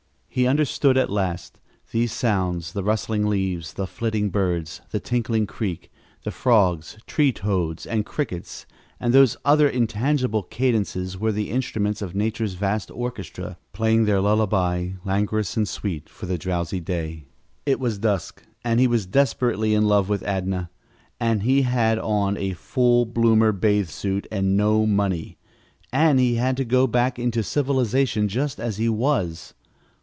He understood at last. These sounds, the rustling leaves, the flitting birds, the tinkling creek, the frogs, tree toads and crickets and those other intangible cadences, these were the instruments of nature's vast orchestra, playing their lullaby, languorous and sweet, for the drowsy day. It was dusk, and he was desperately in love with Adnah, and he had on a fool bloomer bath suit and no money, and he had to go back into civilization just as he was.